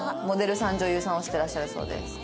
モデルさん女優さんをしてらっしゃるそうです。